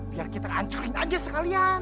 biar kita hancurin aja sekalian